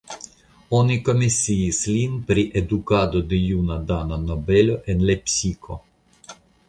Oni komisiis lin pri edukado de juna dana nobelo en Lepsiko.